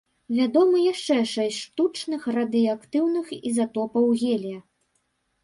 Вядомы яшчэ шэсць штучных радыеактыўных ізатопаў гелія.